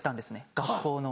学校の。